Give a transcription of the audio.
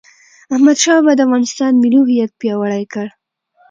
احمدشاه بابا د افغانستان ملي هویت پیاوړی کړ..